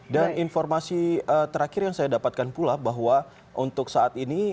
dan informasi terakhir yang saya dapatkan pula bahwa untuk saat ini